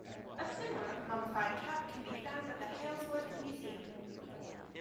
A similar mummified cat can be found at the Halesworth Museum.